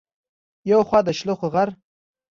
يو خوا د شلخو غر